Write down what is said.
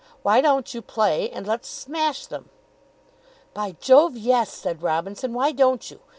Why don't you play and let's smash them?" "By Jove, yes," said Robinson. "Why don't you?